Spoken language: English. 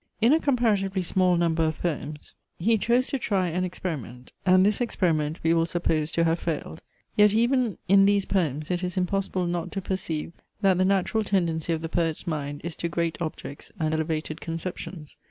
In a comparatively small number of poems he chose to try an experiment; and this experiment we will suppose to have failed. Yet even in these poems it is impossible not to perceive that the natural tendency of the poet's mind is to great objects and elevated conceptions.